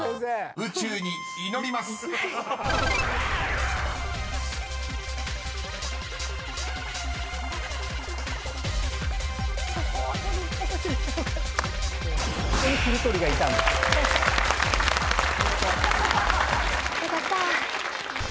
［宇宙に祈ります］よかった。